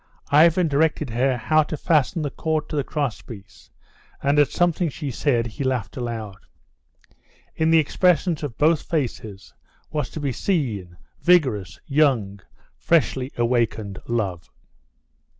Ivan directed her how to fasten the cord to the cross piece, and at something she said he laughed aloud. In the expressions of both faces was to be seen vigorous, young, freshly awakened love.